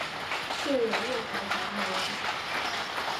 设有月台闸门。